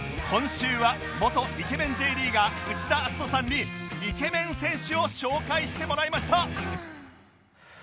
今週は元イケメン Ｊ リーガー内田篤人さんにイケメン選手を紹介してもらいました